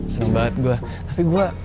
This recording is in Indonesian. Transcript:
seneng banget gue tapi gue